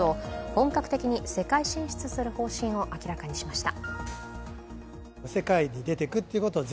本格的に世界進出する方針を明らかにしました。